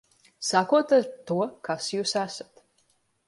Sākot ar to, kas jūs esat.